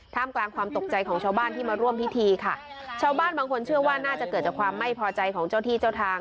กลางความตกใจของชาวบ้านที่มาร่วมพิธีค่ะชาวบ้านบางคนเชื่อว่าน่าจะเกิดจากความไม่พอใจของเจ้าที่เจ้าทาง